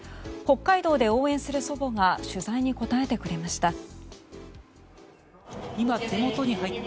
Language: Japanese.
北海道で応援する祖母が取材に答えてくれました。